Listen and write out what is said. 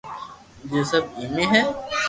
ٻيجو سب ايمي ھي